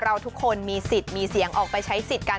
เราทุกคนมีสิทธิ์มีเสียงออกไปใช้สิทธิ์กัน